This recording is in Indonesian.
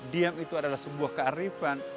diam itu adalah sebuah kearifan